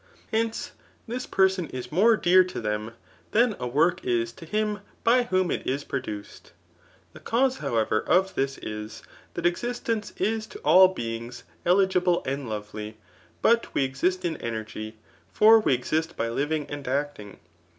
Hence, this per son is more dear to them than a work is to him by whom it is produced. The cause however of this is, that existence is to all bemgs eligible and lovely; but we exist in energy ; for we exist by living and acting.